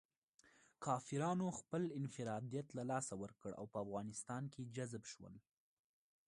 کافرانو خپل انفرادیت له لاسه ورکړ او په افغانستان کې جذب شول.